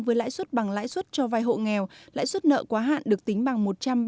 với lãi suất bằng lãi suất cho vai hộ nghèo lãi suất nợ quá hạn được tính bằng một trăm ba mươi